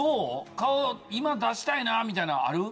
顔今出したいなみたいなある？